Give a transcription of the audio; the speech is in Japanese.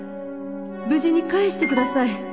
「無事に返して下さい。